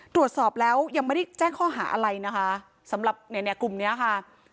ตรวจสอบแล้วยังไม่ได้แจ้งข้อหาอะไรนะคะสำหรับเนี่ยกลุ่มเนี้ยค่ะ